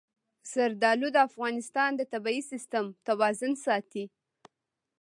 زردالو د افغانستان د طبعي سیسټم توازن ساتي.